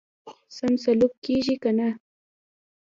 سم سلوک کیږي کنه.